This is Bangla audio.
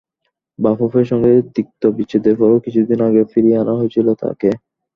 বাফুফের সঙ্গে তিক্ত বিচ্ছেদের পরও কিছুদিন আগে ফিরিয়ে আনা হয়েছিল তাঁকে।